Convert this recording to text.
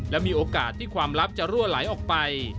และมีโอกาสที่ความลับจะรั่วไหลออกไป